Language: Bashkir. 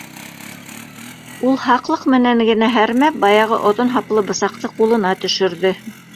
Ул һаҡлыҡ менән генә һәрмәп баяғы оҙон һаплы бысаҡты ҡулына төшөрҙө